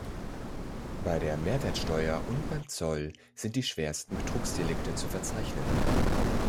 Bei der Mehrwertsteuer und beim Zoll sind die schwersten Betrugsdelikte zu verzeichnen.